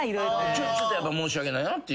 ちょっとやっぱ申し訳ないなっていう。